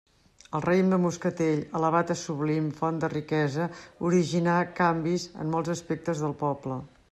El raïm de moscatell, elevat a sublim font de riquesa, originà canvis en molts aspectes del poble.